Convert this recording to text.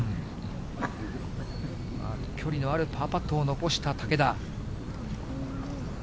距離のあるパーパットを残した竹田。